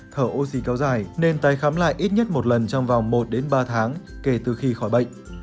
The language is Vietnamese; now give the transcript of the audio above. thở oxy kéo dài nên tái khám lại ít nhất một lần trong vòng một đến ba tháng kể từ khi khỏi bệnh